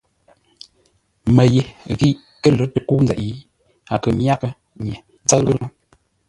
Mə́ ye ghî kə́ lə̌r tə kə́u nzeʼ, a kə̂ myághʼə́ nye ńtsə́ʉ laŋə́.